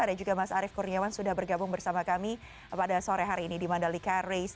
ada juga mas arief kurniawan sudah bergabung bersama kami pada sore hari ini di mandalika race dua ribu dua puluh dua